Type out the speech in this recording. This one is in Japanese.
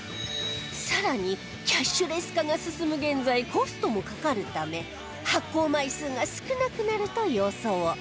更にキャッシュレス化が進む現在コストもかかるため発行枚数が少なくなると予想